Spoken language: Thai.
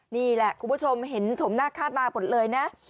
นี่แหละคุณผู้ชมเห็นชมหน้าค่าตาหมดเลยนะ